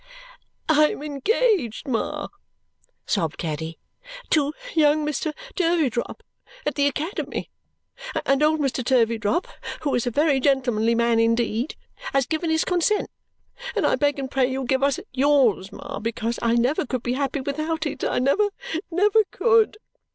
"I am engaged, Ma," sobbed Caddy, "to young Mr. Turveydrop, at the academy; and old Mr. Turveydrop (who is a very gentlemanly man indeed) has given his consent, and I beg and pray you'll give us yours, Ma, because I never could be happy without it. I never, never could!"